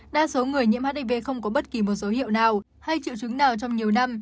đa số người nhiễm hiv không có bất kỳ một dấu hiệu nào hay triệu chứng nào trong nhiều năm